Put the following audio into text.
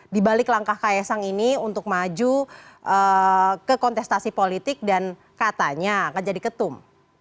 dibalik langkah kaya sang ini untuk maju ke kontestasi politik dan katanya akan jadi ketum